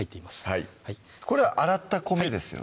はいこれ洗った米ですよね